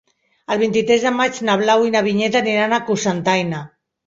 El vint-i-tres de maig na Blau i na Vinyet aniran a Cocentaina.